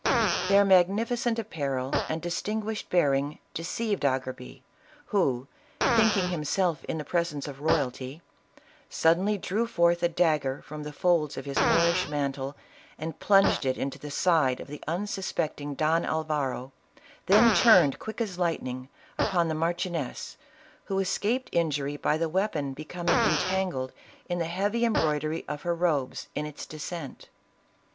Their magnificent apparel and distinguished bearing deceived Agerbi, who, thinking himself in the presence of royalty, suddenly drew forth a dagger from the folds of his Moorish mantle and plunged it into the side of the unsuspecting Don Alvaro, then turned, quick as lightning, upon the marchioness, who escaped injury by the weapon becoming entangled in the heavy embroidery of her robes, in its descent.